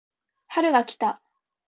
春が来た